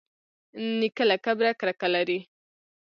نیکه له کبره کرکه لري.